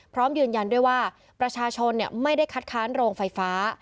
พร้อมยืนยันด้วยว่าประชาชนไม่ได้คัดค้านโรงไฟฟ้า